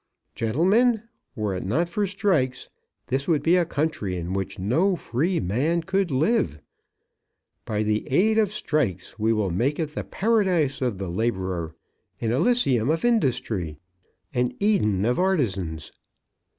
Gentlemen, were it not for strikes, this would be a country in which no free man could live. By the aid of strikes we will make it the Paradise of the labourer, an Elysium of industry, an Eden of artizans."